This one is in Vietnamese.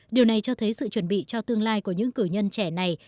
điều này cho thấy sự chuẩn bị cho tương lai của những cử nhân trẻ này